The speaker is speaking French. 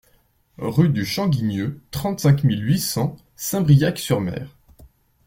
Rue du Champ Guigneux, trente-cinq mille huit cents Saint-Briac-sur-Mer